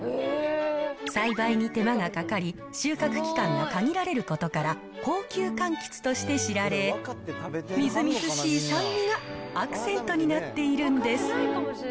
栽培に手間がかかり、収穫期間が限られることから、高級かんきつとして知られ、みずみずしい酸味がアクセントになっているんです。